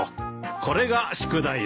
これが宿題だ。